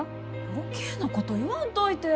余計なこと言わんといて！